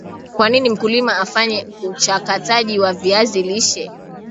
Kwanini mkulima afanye uchakataji wa viazi lishe